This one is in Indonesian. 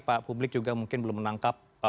pak publik juga mungkin belum menangkap